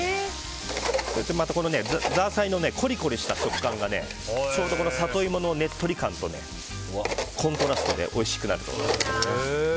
そしてまたザーサイのコリコリした食感がちょうどサトイモのネットリ感とコントラストでおいしくなると思います。